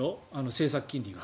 政策金利が。